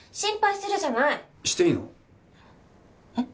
していいの？えっ？